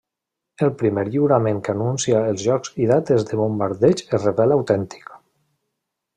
El primer lliurament que anuncia els llocs i dates de bombardeigs es revela autèntic.